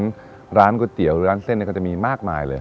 เพราะฉะนั้นร้านก๋วยเตี๋ยวร้านเส้นก็จะมีมากมายเลย